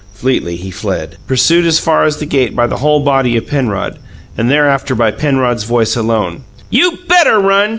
Fleetly he fled, pursued as far as the gate by the whole body of Penrod, and thereafter by Penrod's voice alone. "You BETTER run!